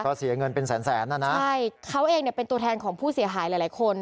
ก็เสียเงินเป็นแสนแสนน่ะนะใช่เขาเองเนี่ยเป็นตัวแทนของผู้เสียหายหลายหลายคน